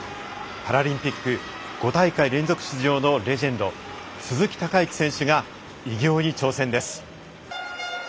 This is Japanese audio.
パラリンピック５大会連続出場のレジェンド鈴木孝幸選手が偉業に挑戦です。